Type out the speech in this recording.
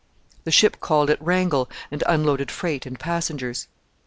The ship called at Wrangle and unloaded freight and passengers.